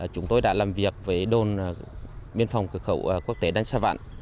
chúng tôi đã làm việc với đồn biên phòng cửa khẩu quốc tế đánh xa vạn